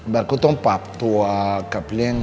ก็ต้องปรับตัวกับเรื่อง